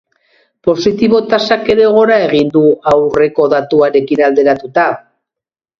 Positibo tasak ere gora egin du aurreko datuarekin alderatuta.